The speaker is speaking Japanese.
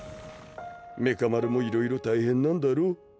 メカ丸もいろいろ大変なんだろ？